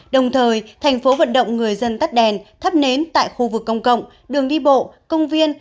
đồng thời thành phố vận động người dân tắt đèn thắp nến tại khu vực công cộng đường đi bộ công viên